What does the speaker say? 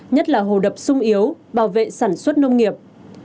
nhất là hồ đập sung yếu bảo vệ sản xuất nông nghiệp